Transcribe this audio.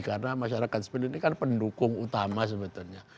karena masyarakat sipil ini kan pendukung utama sebetulnya